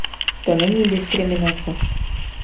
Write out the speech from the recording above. To není diskriminace.